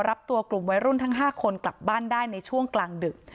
รับตัวกลุ่มวัยรุ่นทั้ง๕คนกลับบ้านได้ในช่วงกลางดึก